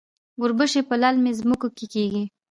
وربشې په للمي ځمکو کې کیږي.